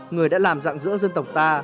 người đã làm dạng giữa dân tộc ta